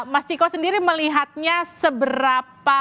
mas ciko sendiri melihatnya seberapa